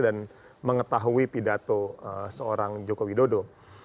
dan mengetahui pidato seorang jokowi dodo